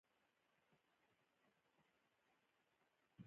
په مینه یې مستو ته وکتل.